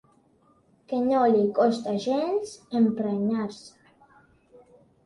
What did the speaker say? Que no li costa gens emprenyar-se.